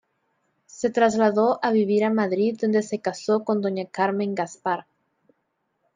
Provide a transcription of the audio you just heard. Se trasladó a vivir a Madrid donde se casó con doña Carmen Gaspar.